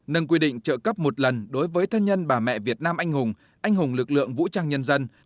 nâng quy định trợ cấp một lần đối với thân nhân bà mẹ việt nam anh hùng anh hùng lực lượng vũ trang nhân dân